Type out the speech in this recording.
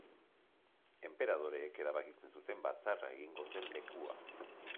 Enperadoreek erabakitzen zuten batzarra egingo zen lekua.